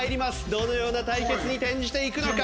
どのような対決に転じていくのか？